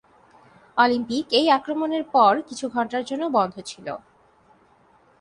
Olympic এই আক্রমণের পর কিছু ঘণ্টার জন্য বন্ধ ছিল।